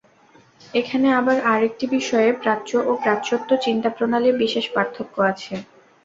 এখানে আবার আর একটি বিষয়ে প্রাচ্য ও পাশ্চাত্য চিন্তাপ্রণালীর বিশেষ পার্থক্য আছে।